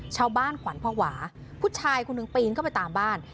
ขวัญภาวะผู้ชายคนหนึ่งปีนเข้าไปตามบ้าน